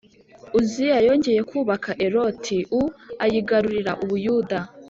Uziya yongeye kubaka Eloti u ayigarurira u Buyuda